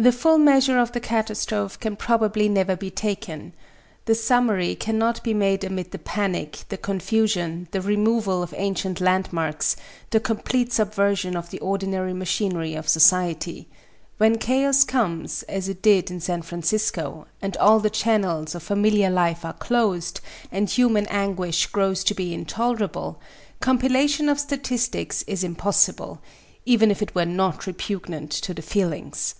The full measure of the catastrophe can probably never be taken. The summary cannot be made amid the panic, the confusion, the removal of ancient landmarks, the complete subversion of the ordinary machinery of society. When chaos comes, as it did in San Francisco, and all the channels of familiar life are closed, and human anguish grows to be intolerable, compilation of statistics is impossible, even if it were not repugnant to the feelings.